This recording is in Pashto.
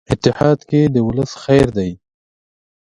اتحاد کې د ولس خیر دی.